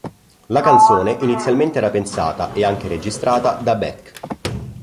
La canzone inizialmente era pensata, e anche registrata, da Beck.